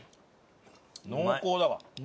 濃厚だわ。